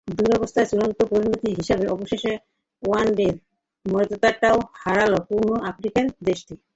দুরবস্থার চূড়ান্ত পরিণতি হিসেবে অবশেষে ওয়ানডে মর্যাদাটাও হারাল পূর্ব আফ্রিকার দেশটি।